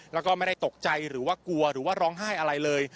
แล้วก็ไม่ได้ตกใจหรือว่ากลัวหรือว่าร้องไห้อะไรเลย